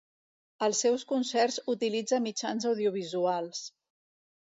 Als seus concerts utilitza mitjans audiovisuals.